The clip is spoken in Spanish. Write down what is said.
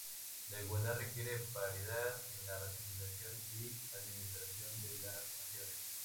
La igualdad requiere paridad en la representación y administración de las Naciones.